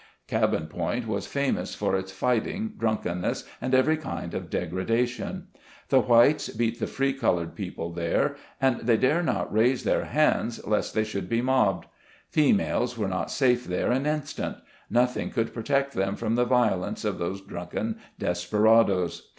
"Cabin Point" was famous for its fighting, drunk enness, and every kind of degradation. The whites beat the free colored people there, and they dare not raise their hands, lest they should be mobbed. Females were not safe there an instant ; nothing could protect them from the violence of those drunken desperadoes.